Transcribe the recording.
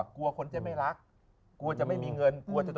กลัวคนจะไม่รักกลัวจะไม่มีเงิน